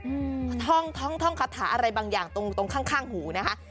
อืมท่องท่องท่องคาถาอะไรบางอย่างตรงตรงข้างข้างหูนะคะ